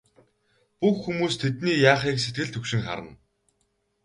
Бүх хүмүүс тэдний яахыг сэтгэл түгшин харна.